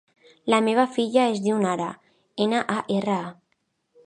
La meva filla es diu Nara: ena, a, erra, a.